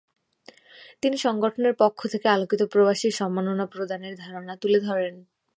তিনি সংগঠনের পক্ষ থেকে আলোকিত প্রবাসীর সম্মাননা প্রদানের ধারণা তুলে ধরেন।